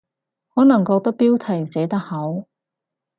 可能覺得標題寫得好